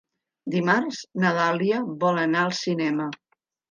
Dimarts na Dàlia vol anar al cinema.